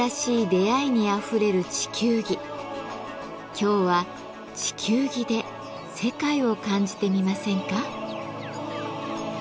今日は地球儀で世界を感じてみませんか。